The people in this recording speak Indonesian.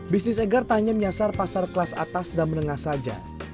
bisnis egar tak hanya menyasar pasar kelas atas dan menengah saja